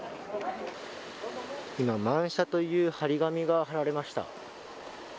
今、満車という張り紙が貼られました。